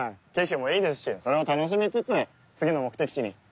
景色もいいですしそれを楽しみつつ次の目的地に。